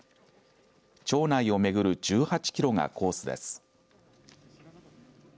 町内を巡る１８キロがコースです。